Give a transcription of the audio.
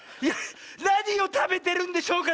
「なにをたべてるんでしょうか」